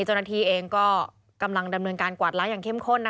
เจ้าหน้าที่เองก็กำลังดำเนินการกวาดล้างอย่างเข้มข้น